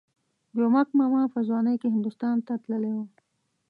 جومک ماما په ځوانۍ کې هندوستان ته تللی وو.